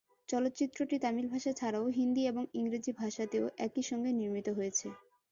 চলচ্চিত্রটি তামিল ভাষা ছাড়াও হিন্দি এবং ইংরেজি ভাষাতেও একই সঙ্গে নির্মিত হয়েছে।